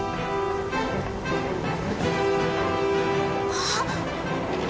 あっ。